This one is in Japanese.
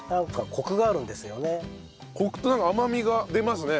コクとなんか甘みが出ますね。